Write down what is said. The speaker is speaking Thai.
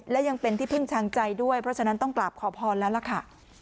และยังเป็นที่พึ่งทางใจด้วยเพราะฉะนั้นต้องกราบขอพรแล้วล่ะค่ะ